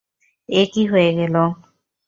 এ কী হয়ে গেল!